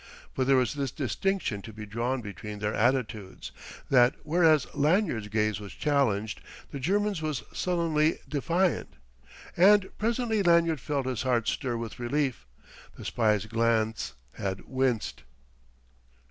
But there was this distinction to be drawn between their attitudes, that whereas Lanyard's gaze challenged, the German's was sullenly defiant. And presently Lanyard felt his heart stir with relief: the spy's glance had winced.